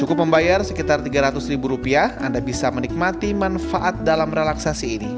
cukup membayar sekitar tiga ratus ribu rupiah anda bisa menikmati manfaat dalam relaksasi ini